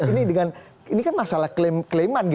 ini kan masalah klaiman